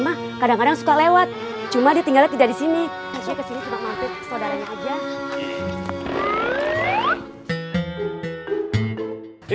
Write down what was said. misalnya ke sini cuma mantep saudaranya aja